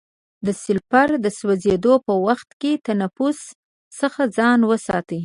د سلفر د سوځیدو په وخت کې د تنفس څخه ځان وساتئ.